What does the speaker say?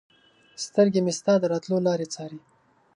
سترګې مې ستا د راتلو لارې څاري